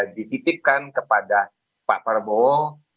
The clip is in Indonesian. dititipkan kepada pak prabowo